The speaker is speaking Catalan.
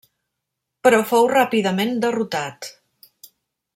Però fou ràpidament derrotat.